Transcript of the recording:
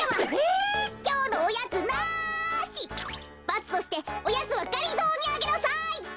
バツとしておやつはがりぞーにあげなさい！